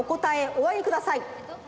おあげください！